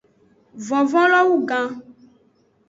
Vovo lo wugan.